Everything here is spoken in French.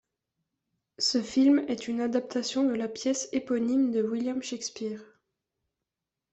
Ce film est une adaptation de la pièce éponyme de William Shakespeare.